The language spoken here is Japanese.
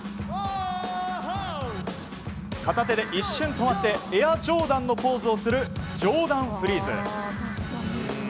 片手で一瞬止まってエアジョーダンのポーズをするジョーダンフリーズ。